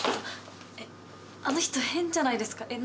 あの人変じゃないですか？